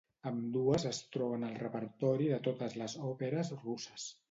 Ambdues es troben al repertori de totes les òperes russes.